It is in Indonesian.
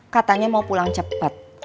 katanya mau pulang cepat